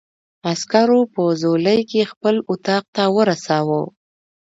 عسکرو په ځولۍ کې خپل اتاق ته ورساوه.